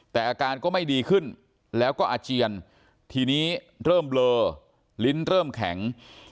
แต่อาการก็ไม่ดีขึ้นแล้วก็อาเจียนทีนี้เริ่มเบลอลิ้นเริ่มแข็ง